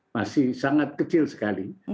masih sangat kecil sekali